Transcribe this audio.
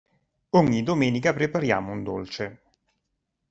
Ogni domenica prepariamo un dolce.